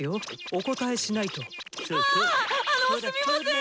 あああのすみません！